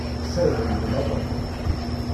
Ssarden lbaṭaṭa.